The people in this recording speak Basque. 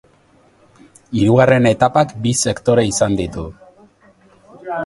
Hirugarren etapak bi sektore izan ditu.